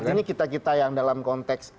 ini kita kita yang dalam konteks